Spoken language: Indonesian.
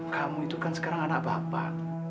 kamu itu kan sekarang anak bapak